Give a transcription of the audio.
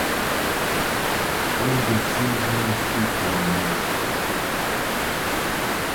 All the salesmen speak Nana.